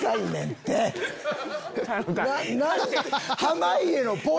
濱家のポ。